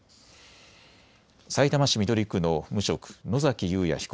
さいたま市緑区の無職、野崎祐也被告